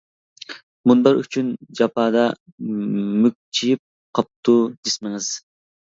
مۇنبەر ئۈچۈن جاپادا، مۈكچىيىپ قاپتۇ جىسمىڭىز.